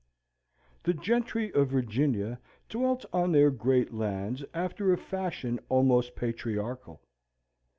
The gentry of Virginia dwelt on their great lands after a fashion almost patriarchal.